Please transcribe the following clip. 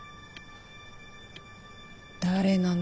誰なの？